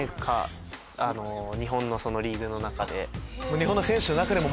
日本の選手の中でも。